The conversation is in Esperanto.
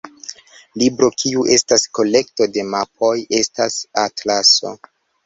Libro kiu estas kolekto de mapoj estas atlaso.